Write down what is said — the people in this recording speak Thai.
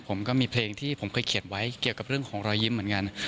ผมก็มีเพลงที่ผมเคยเขียนไว้เกี่ยวกับเรื่องของรอยยิ้มเหมือนกัน